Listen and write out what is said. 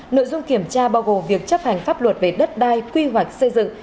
nội dung kiểm tra bao gồm việc chấp hành pháp luật về đất đai quy hoạch xây dựng